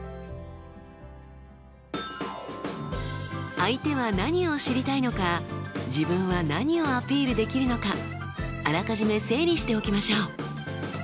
相手は何を知りたいのか自分は何をアピールできるのかあらかじめ整理しておきましょう。